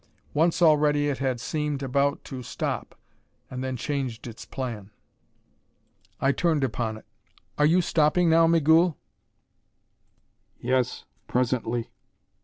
Once already it had seemed about to stop, and then changed its plan. I turned upon it. "Are you stopping now, Migul?" "Yes. Presently."